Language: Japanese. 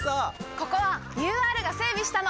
ここはＵＲが整備したの！